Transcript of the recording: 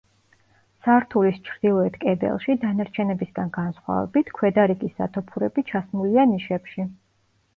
სართულის ჩრდილოეთ კედელში, დანარჩენებისგან განსხვავებით, ქვედა რიგის სათოფურები ჩასმულია ნიშებში.